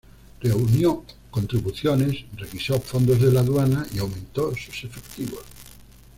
Reunió contribuciones, requisó fondos de la Aduana, y aumentó sus efectivos.